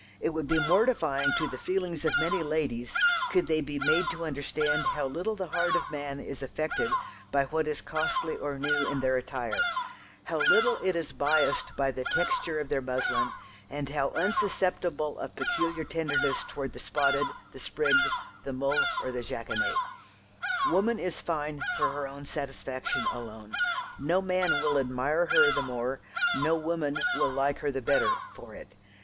It would be mortifying to the feelings of many ladies could they be made to understand how little the heart of man is affected by what is costly or new in their attire; how little it is biassed by the texture of their muslin, and how unsusceptible of peculiar tenderness towards the spotted, the sprigged, the mull, or the jackonet. Woman is fine for her own satisfaction alone. No man will admire her the more, no woman will like her the better, for it.